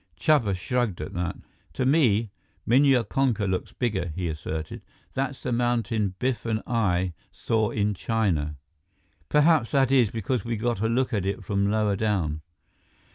Chuba shrugged at that. "To me, Minya Konka looks bigger," he asserted. "That's the mountain Biff and I saw in China. Perhaps that is because we got a look at it from lower down."